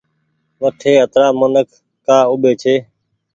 وٺي اترآ منک ڪآ اوٻي ڇي۔